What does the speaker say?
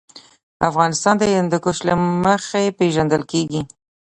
افغانستان د هندوکش له مخې پېژندل کېږي.